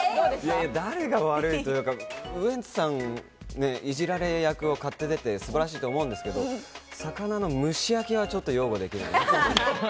ウエンツさん、いじられ役を買って出て素晴らしいと思うんですが、魚の蒸し焼きはちょっと擁護できない。